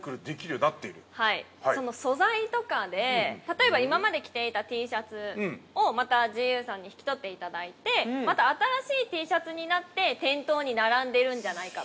素材とかで、例えば今まで着ていたＴシャツをまたＧＵさんに引き取っていただいてまた新しいＴシャツになって店頭に並んでいるんじゃないかと。